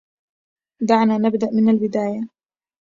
دعنا نبداً من البداية.